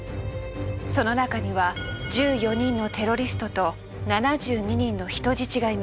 その中には１４人のテロリストと７２人の人質がいました。